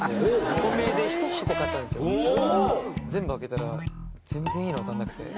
全部開けたら全然いいの当たらなくて。